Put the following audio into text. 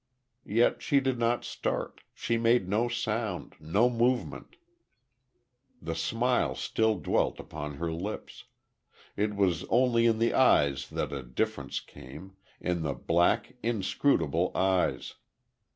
Yet she did not start she made no sound, no movement. The smile still dwelt upon her lips. It was only in the eyes that a difference came in the black, inscrutable eyes.